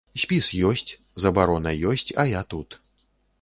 Спіс ёсць, забарона ёсць, а я тут.